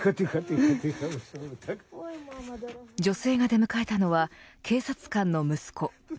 女性が出迎えたのは警察官の息子。